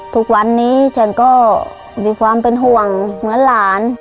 ทุกวันนี้ฉันก็มีความเป็นห่วงเหมือนหลาน